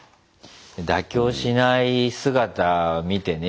妥協しない姿見てね